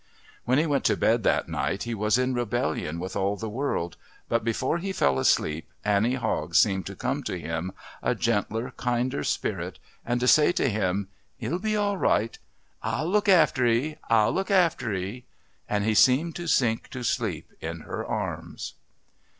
When he went to bed that night he was in rebellion with all the world, but before he fell asleep Annie Hogg seemed to come to him, a gentler, kinder spirit, and to say to him, "It'll be all right.... I'll look after 'ee.... I'll look after 'ee," and he seemed to sink to sleep in her arms.